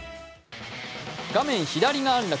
画面左が安楽。